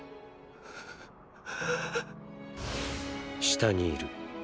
下にいる。